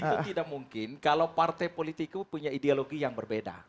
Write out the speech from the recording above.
itu tidak mungkin kalau partai politik itu punya ideologi yang berbeda